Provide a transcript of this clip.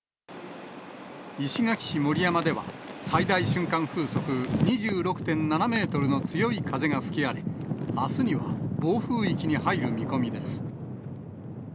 石垣市盛山では、最大瞬間風速２６．７メートルの強い風が吹き荒れ、あすには、暴風域に入る見込みです。